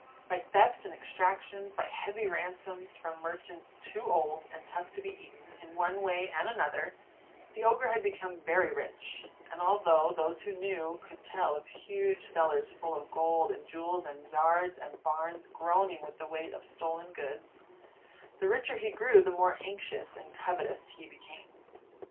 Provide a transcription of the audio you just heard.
By thefts and exactions, by heavy ransoms from merchants too old and tough to be eaten, in one way and another, the Ogre had become very rich; and although those who knew could tell of huge cellars full of gold and jewels, and yards and barns groaning with the weight of stolen goods, the richer he grew the more anxious and covetous he became.